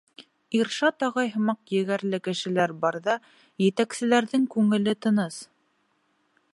Иршат ағай һымаҡ егәрле кешеләр барҙа етәкселәрҙең күңеле тыныс.